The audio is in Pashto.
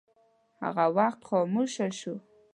هغه خاموشه شوه.